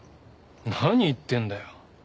何言ってんだよ。